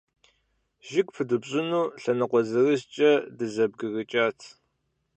Жыг пыдупщӀыну лъэныкъуэ зырызкӀэ дызэбгрыкӀат.